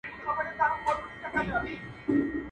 ولي هره ورځ اخته یو په غمونو.